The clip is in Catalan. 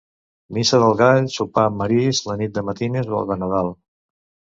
Missa del Gall, sopar amb amics la nit de Matines o de Nadal.